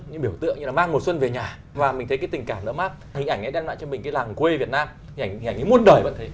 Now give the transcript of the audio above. như biểu tượng như là mang mùa xuân về nhà và mình thấy cái tình cảm nó mát hình ảnh ấy đem lại cho mình cái làng quê việt nam hình ảnh ấy muôn đời vẫn thấy